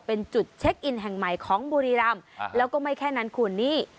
เป็นจุดเช็คอินแห่งใหม่ของบุรีรำแล้วก็ไม่แค่นั้นคุณนี่